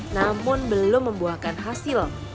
namun belum membuahkan hasil